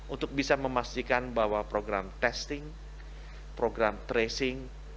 untuk bisa memastikan bahwa program testing program tracing